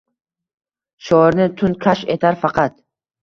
Shoirni tun kashf etar faqat.